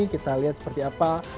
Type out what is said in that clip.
kita lihat seperti apa